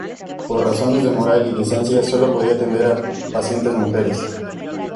Por razones de moral y decencia solo podía atender a pacientes mujeres.